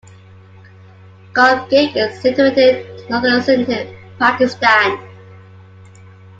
Ghotki is situated in northern sindh, Pakistan.